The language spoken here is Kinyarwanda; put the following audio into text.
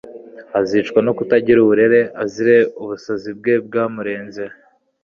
azicwa no kutagira uburere, azire ubusazi bwe bwamurenze